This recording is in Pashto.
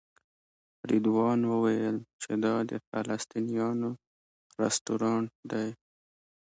رضوان وویل چې دا د فلسطینیانو رسټورانټ دی.